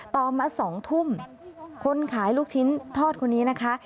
ต่อมา๒ทุ่มคนขายลูกชิ้นทอดคนนี้นะคะ